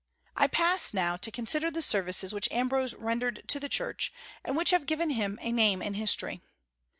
I pass now to consider the services which Ambrose rendered to the Church, and which have given him a name in history.